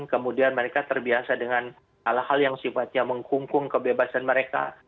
kemudian mereka terbiasa dengan hal hal yang sifatnya menghungkung kebebasan mereka